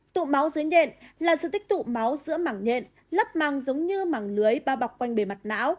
tụ máu dưới đệm là sự tích tụ máu giữa mảng nhện lấp màng giống như mảng lưới bao bọc quanh bề mặt não